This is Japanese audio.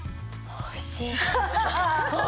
おいしい！